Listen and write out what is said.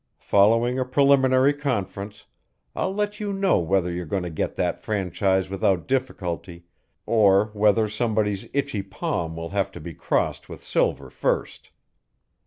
Following a preliminary conference, I'll let you know whether you're going to get that franchise without difficulty or whether somebody's itchy palm will have to be crossed with silver first.